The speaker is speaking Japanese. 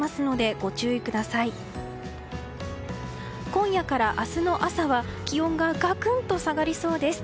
今夜から明日の朝は気温がガクンと下がりそうです。